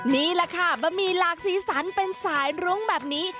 นี่แหละค่ะบะหมี่หลากสีสันเป็นสายรุ้งแบบนี้